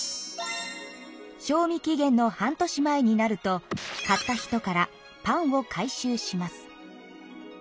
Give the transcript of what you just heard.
賞味期限の半年前になると買った人からパンを回収します。